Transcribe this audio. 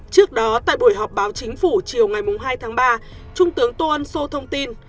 trước đó tại buổi họp báo chính phủ chiều ngày hai tháng ba trung tướng tô ân sô thông tin